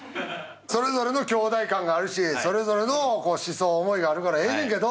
それぞれの兄弟観があるしそれぞれの思想思いがあるからええねん